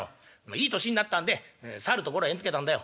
いい年になったんでさるところへ縁づけたんだよ」。